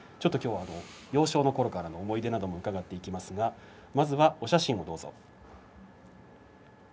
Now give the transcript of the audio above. きょうは幼少のころからの思い出なども伺っていきますがまずは、お写真どうぞ。